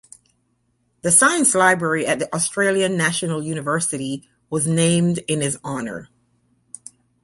The science library at the Australian National University was named in his honour.